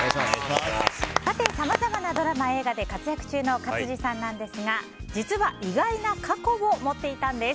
さて、さまざまな映画、ドラマで活躍中の勝地涼さんですが実は意外な過去を持っていたんです。